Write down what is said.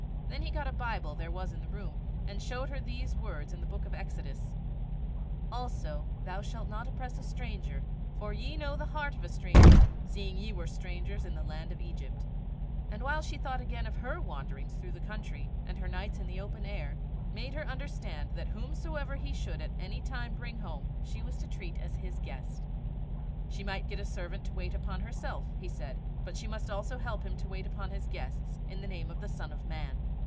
Then he got a Bible there was in the room, and showed her those words in the book of Exodus "Also, thou shalt not oppress a stranger; for ye know the heart of a stranger, seeing ye were strangers in the land of Egypt;" and while she thought again of her wanderings through the country, and her nights in the open air, made her understand that whomsoever he should at any time bring home she was to treat as his guest. She might get a servant to wait upon herself, he said, but she must herself help him to wait upon his guests, in the name of the Son of Man.